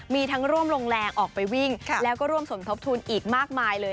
มีทั้งร่วมลงแรงออกไปวิ่งแล้วก็ร่วมสมทบทุนอีกมากมายเลย